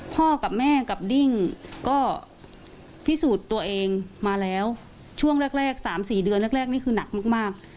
กับแม่กับดิ้งก็พิสูจน์ตัวเองมาแล้วช่วงแรก๓๔เดือนแรกนี่คือหนักมาก